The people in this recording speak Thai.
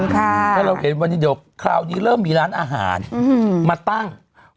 ถ้าเราเห็นวันนี้เดี๋ยวคราวนี้เริ่มมีร้านอาหารมาตั้ง